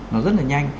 nó rất là nhanh